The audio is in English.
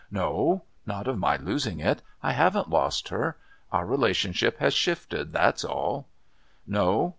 "No, not of my losing it. I haven't lost her. Our relationship has shifted, that's all." "No.